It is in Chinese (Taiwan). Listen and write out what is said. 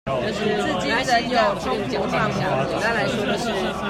至今仍有衝突和磨合